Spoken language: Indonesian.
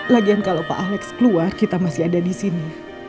lagian kalo pak alex keluar kita masih ada disini